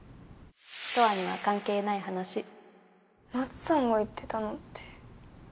トアには関係ない話ナツさんが言ってたのって。